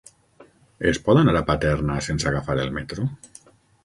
Es pot anar a Paterna sense agafar el metro?